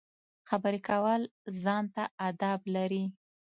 خبرې کول ځان ته اداب لري.